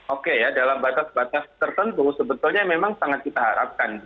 oke ya dalam batas batas tertentu sebetulnya memang sangat kita harapkan